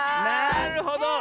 なるほど。